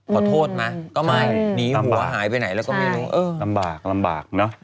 ขอโทษนะก็มาหนีหัวหายไปไหนแล้วก็ไม่รู้เออตามบากเนอะ